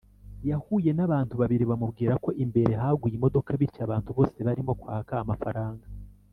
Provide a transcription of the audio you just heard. yahuye n’abantu babiri bamubwira ko imbere haguye imodoka bityo abantu bose barimo kwakwa amafaranga